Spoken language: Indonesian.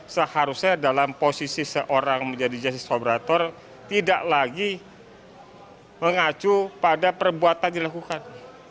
seharusnya dalam posisi seorang menjadi justice collaborator tidak lagi mengacu pada perbuatan dilakukan